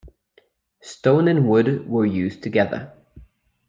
Stone and wood were used together.